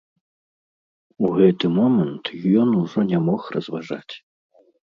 У гэты момант ён ужо не мог разважаць.